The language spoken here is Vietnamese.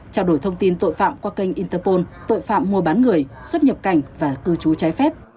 trao đổi thông tin tội phạm qua kênh interpol tội phạm mua bán người xuất nhập cảnh và cư trú trái phép